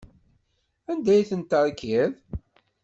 Anda ay ten-terkiḍ?